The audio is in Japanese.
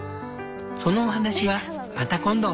そのお話はまた今度。